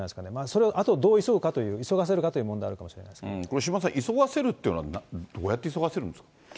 それ、あとどう急ぐかというと、急がせるかという問題あるかもしれませこれ、島田さん、急がせるっていうのは、どうやって急がせるんですか。